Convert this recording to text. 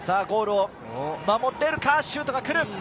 ゴールを守っているか、シュートが来る。